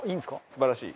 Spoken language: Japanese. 素晴らしい？